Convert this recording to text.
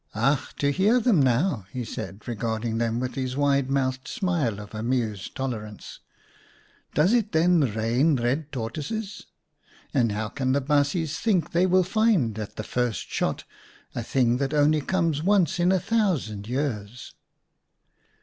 " Ach, to hear them now !" he said, regard ing them with his wide mouthed smile of amused tolerance. " Does it then rain red tortoises? And how can the baasjes think they will find at the first shot a thing that only comes once in a thousand years